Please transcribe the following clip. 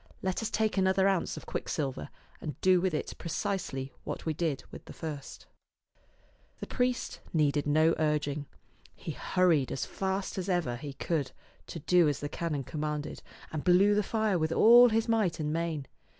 Let us take another ounce of quicksilver and do with it precisely what we did with the first." 212 €^t Canon's Vtoman'& 'tait The priest needed no urging. He hurried as fast as ever he could to do as the canon commanded, and blew the fire with all his might and main.